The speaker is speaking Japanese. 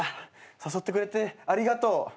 誘ってくれてありがとう。